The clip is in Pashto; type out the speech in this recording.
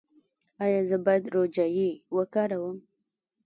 ایا زه باید روجايي وکاروم؟